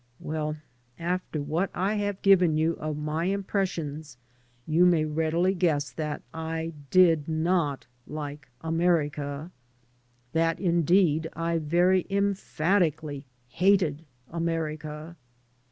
" Well, after what I have 85 AN AMERICAN IN THE MAKING given you of my impressions^ you may readily guess that I did not like America; that, indeed, I very emphatically hated America.